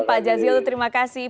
pak jazil terima kasih